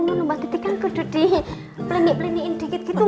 mbak titi kan duduk di pelengik pelengikin dikit gitu